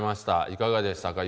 いかがでしたか？